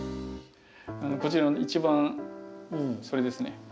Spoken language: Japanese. こちらの一番それですね。